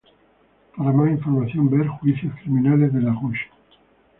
Para más información, ver Juicios criminales de LaRouche.